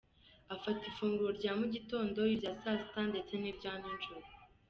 Afata ifunguro rya mugitondo, irya saa sita ndetse n’irya ninjoro.